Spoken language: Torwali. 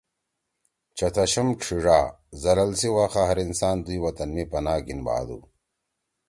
چتشم ڇھیِڙا: ذلَل سی وخا ہر انسان دُوئی وطن می پناہ گِھین بھادُو۔